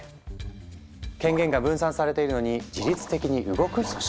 権限が分散されているのに自律的に動く組織。